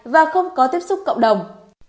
và không có tiếp xúc cộng đồng